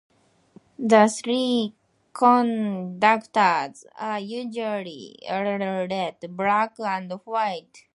The three conductors are usually coloured red, black, and white.